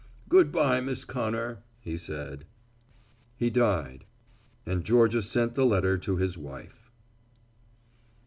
"Good bye, Miss Connor," he said. He died, and Georgia sent the letter to his wife.